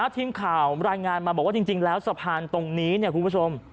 ทีมข่าวรายงานมาบอกว่าสะพางตรงนี้เนี่ยผู้ประชม